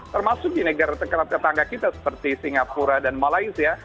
termasuk di negara tetangga kita seperti singapura dan malaysia